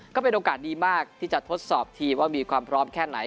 ก็เป็นโอกาสดีมากที่จะทดสอบทีมว่ามีความพร้อมแค่ไหน